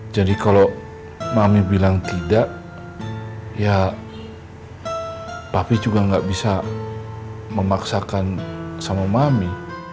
jadi kalau mami bilang tidak ya papi juga nggak bisa memaksakan sama mami